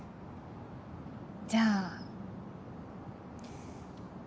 じゃあ。